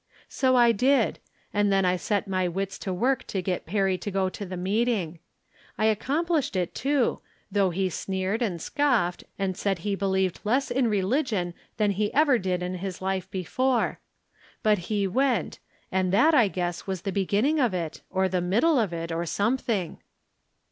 So I did ; and then I set my wits to work to get Perry to go to the meeting. I accomplished it, too, though he sneered and scoffed and .said he believed less in religion than he ever did in Ms life before. But he went, and that I guess From Different Standpoints. 91 was the beginning of it, or the middle of it, or something.